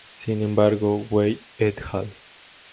Sin embargo, Wei "et al.